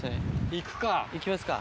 行きますか。